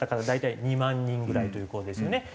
大体２万人ぐらいという事ですよね。